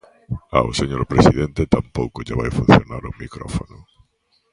Ao señor presidente tampouco lle vai funcionar o micrófono.